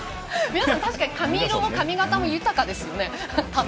皆さん、たしかに髪色も髪型も豊かですよね。